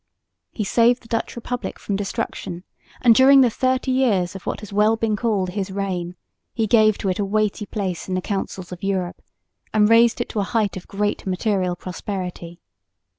He saved the Dutch Republic from destruction; and during the thirty years of what has well been called his reign he gave to it a weighty place in the Councils of Europe and raised it to a height of great material prosperity.